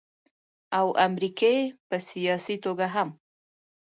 او امريکې په سياسي توګه هم